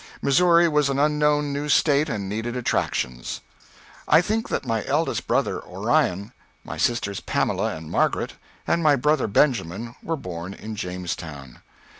Missouri was an unknown new State and needed attractions. I think that my eldest brother, Orion, my sisters Pamela and Margaret, and my brother Benjamin were born in Jamestown.